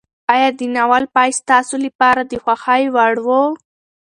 ایا د ناول پای ستاسو لپاره د خوښۍ وړ و؟